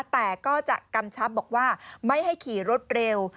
แต่ก็จะกำชับบอกว่าไม่ให้ขี่รถเร็ว